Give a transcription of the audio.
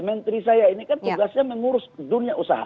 menteri saya ini kan tugasnya mengurus dunia usaha